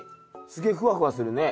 すげえふわふわするね。